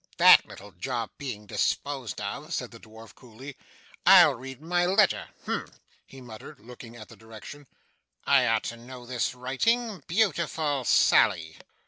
That little job being disposed of,' said the dwarf, coolly, 'I'll read my letter. Humph!' he muttered, looking at the direction. 'I ought to know this writing. Beautiful Sally!